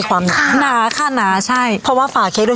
อยากเค้นอยากรู้